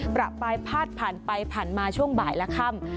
ประปายพาดผ่านไปผ่านมาช่วงบ่ายและค่ำ